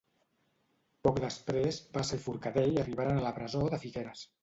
Poc després, Bassa i Forcadell arribaven a la presó de Figueres.